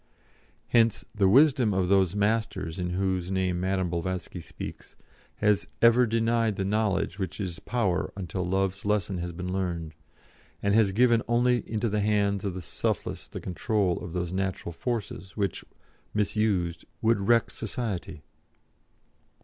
Hence the wisdom of those 'Masters,' in whose name Madame Blavatsky speaks, has ever denied the knowledge which is power until Love's lesson has been learned, and has given only into the hands of the selfless the control of those natural forces which, misused, would wreck society."